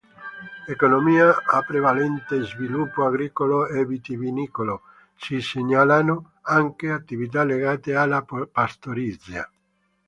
Economia a prevalente sviluppo agricolo e vitivinicolo; si segnalano anche attività legate alla pastorizia.